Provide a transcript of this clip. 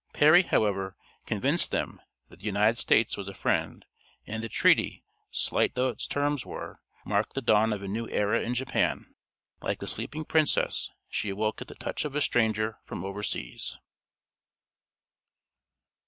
Perry, however, convinced them that the United States was a friend, and the treaty, slight though its terms were, marked the dawn of a new era in Japan. Like the sleeping princess, she woke at the touch of a stranger from overseas.